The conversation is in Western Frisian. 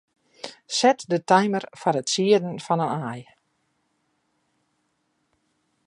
Set de timer foar it sieden fan in aai.